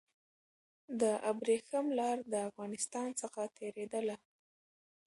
د ابريښم لار د افغانستان څخه تېرېدله.